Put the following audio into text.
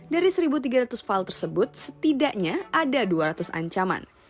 dari satu tiga ratus file tersebut setidaknya ada dua ratus ancaman